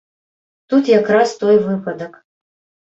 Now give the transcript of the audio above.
Тут якраз той выпадак.